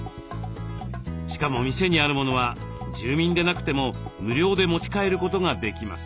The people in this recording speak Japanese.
しかも店にあるものは住民でなくても無料で持ち帰ることができます。